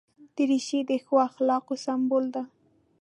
دریشي د ښو اخلاقو سمبول ده.